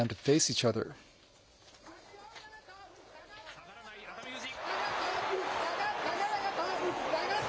下がらない熱海富士。